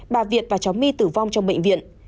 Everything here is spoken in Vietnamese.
bà việt và cháu my tử vong trong bệnh viện